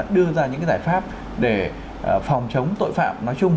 đưa ra những giải pháp để phòng chống tội phạm nói chung